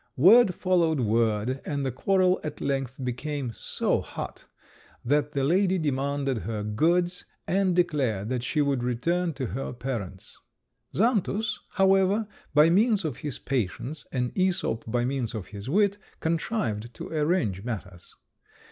Word followed word, and the quarrel at length became so hot that the lady demanded her goods, and declared that she would return to her parents. Xantus, however, by means of his patience, and Æsop by means of his wit, contrived to arrange matters.